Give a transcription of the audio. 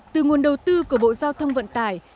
từ nguồn đầu tư của bộ giao thông vận tải